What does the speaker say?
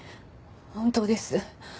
本当です。